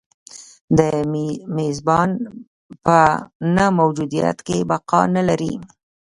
د میزبان په نه موجودیت کې بقا نه لري.